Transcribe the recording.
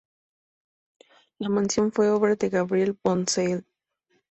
La mansión fue obra de Gabriel von Seidl.